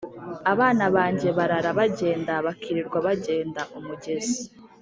Abana banjye barara bagenda, bakirirwa bagenda.-Umugezi